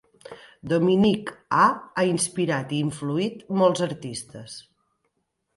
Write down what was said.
Dominique A ha inspirat i influït molts artistes.